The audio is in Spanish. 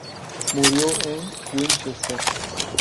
Murió en Winchester.